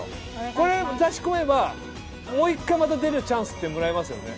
これ仕込めばもう一回また出れるチャンスもらえますよね？